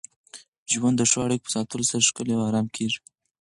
ژوند د ښو اړیکو په ساتلو سره ښکلی او ارام کېږي.